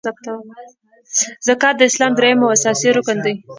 زکات د اسلام دریم او اساسې رکن دی .